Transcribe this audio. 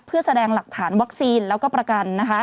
เพื่อแสดงหลักฐานวัคซีนแล้วก็ประกัน